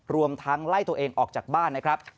รวมทั้งไล่ตัวเองออกจากบ้านนะครับ